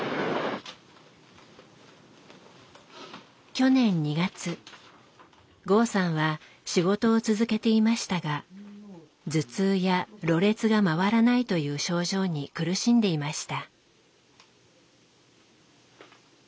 去年２月剛さんは仕事を続けていましたが頭痛やろれつが回らないという症状に苦しんでいました。